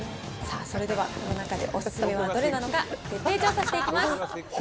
それでは、この中でおすすめはどれなのか、徹底調査していきます。